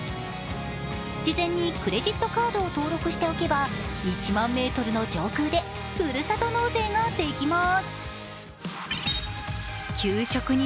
事前にクレジットカードを登録しておけば、１万メートルの上空でふるさと納税ができます。